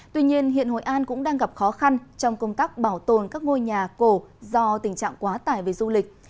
tuy nhiên hiện hội an cũng đang gặp khó khăn trong công tác bảo tồn các ngôi nhà cổ do tình trạng quá tải về du lịch